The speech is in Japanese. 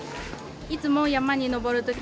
いつも山に登る時